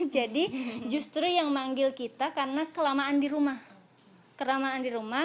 jadi justru yang manggil kita karena kelamaan di rumah